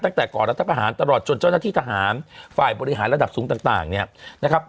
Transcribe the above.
ตั้งแต่ก่อนรัฐประหารตลอดจนเจ้าหน้าที่ทหารฝ่ายบริหารระดับสูงต่างเนี่ยนะครับ